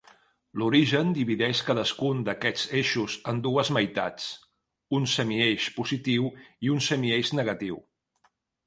L'origen divideix cadascun d'aquests eixos en dues meitats: un semieix positiu i un semieix negatiu.